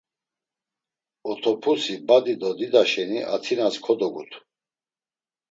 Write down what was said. Otopusi badi do dida şeni Atinas kodogutu.